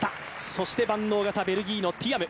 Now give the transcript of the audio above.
そして万能型、ベルギーのティアム